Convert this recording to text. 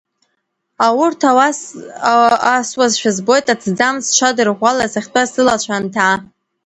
Аурҭ асуазшәа збоит, аҭӡамц сҽадырӷәӷәала сахьтәаз сылацәа анҭаа.